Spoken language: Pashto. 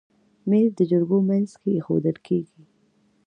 مېز د جرګو منځ کې ایښودل کېږي.